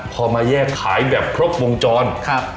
พอมาแยกขายแบบครบวงจรครับ